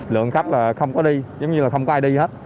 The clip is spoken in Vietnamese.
lượng khách là không có đi giống như là không có ai đi hết